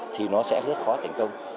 thì nó sẽ rất khó thành công